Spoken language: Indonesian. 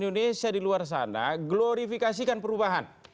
untuk seluruh indonesia di luar sana glorifikasikan perubahan